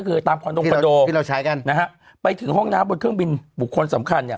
คือตามคอนโดงคอนโดที่เราใช้กันนะฮะไปถึงห้องน้ำบนเครื่องบินบุคคลสำคัญเนี่ย